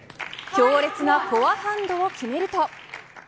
強烈なフォアハンドを決めると。